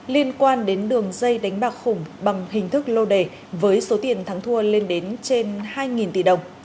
liên quan đến đường dây đánh bạc khủng bằng hình thức lô đề với số tiền thắng thua lên đến trên hai tỷ đồng